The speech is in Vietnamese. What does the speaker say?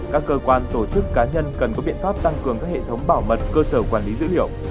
các cơ quan tổ chức cá nhân cần có biện pháp tăng cường các hệ thống bảo mật cơ sở quản lý dữ liệu